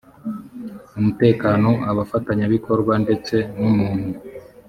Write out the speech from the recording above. umutekano abafatanyabikorwa ndetse n umuntu